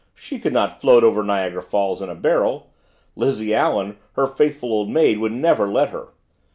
She could not float over Niagara Falls in a barrel; Lizzie Allen, her faithful old maid, would never let her!